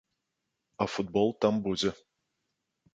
А футбол там будзе.